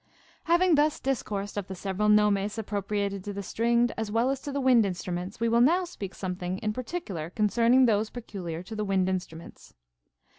7. Having thus discoursed of the several nomes appro priated to the stringed as Avell as to the wind instruments, we Avill now speak something in particular concerning those peculiar to the wind instruments.